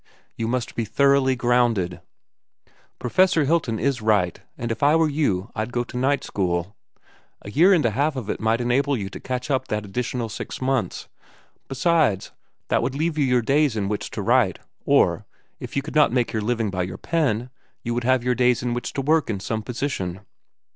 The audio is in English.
You must be thoroughly grounded. Professor Hilton is right, and if I were you, I'd go to night school. A year and a half of it might enable you to catch up that additional six months. Besides, that would leave you your days in which to write, or, if you could not make your living by your pen, you would have your days in which to work in some position."